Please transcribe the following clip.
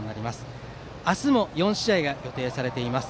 明日も４試合が予定されています。